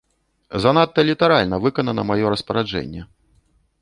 Занадта літаральна выканана маё распараджэнне.